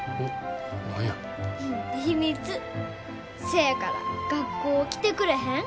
せやから学校来てくれへん？